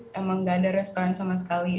emang gak ada restoran sama sekali